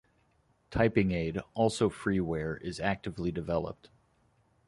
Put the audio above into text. Typingaid, also freeware, is actively developed.